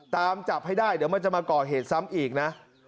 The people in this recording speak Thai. ตามจับให้ได้เดี๋ยวมันจะมาก่อเหตุซ้ำอีกนะ